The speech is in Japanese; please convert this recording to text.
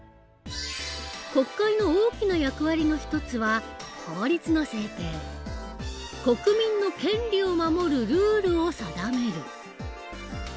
国会の大きな役割の一つは国民の権利を守るルールを定める。